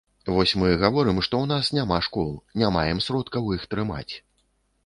Вось мы гаворым, што ў нас няма школ, не маем сродкаў іх трымаць.